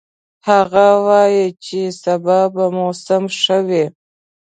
هغه وایي چې سبا به موسم ښه وي